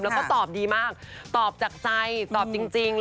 แล้วก็ตอบดีมากตอบจากใจตอบจริง